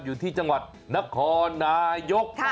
อยู่ที่จังหวัดนครนายก